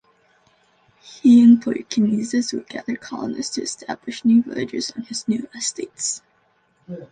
He employed "knezes" who gathered colonists to establish new villages on his new estates.